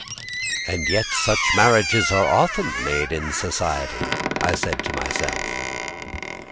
"And yet such marriages are often made in society!" I said to myself.